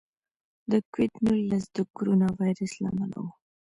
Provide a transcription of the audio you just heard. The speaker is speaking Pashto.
د کوویډ نولس د کورونا وایرس له امله و.